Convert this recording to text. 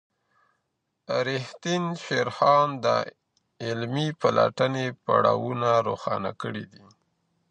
ریښتین شیرخان د علمي پلټني پړاوونه روښانه کړي دي.